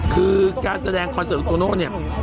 คือการแสดงคอนเสิร์ตของโตโน่เนี่ย